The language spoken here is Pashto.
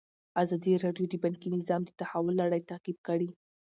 ازادي راډیو د بانکي نظام د تحول لړۍ تعقیب کړې.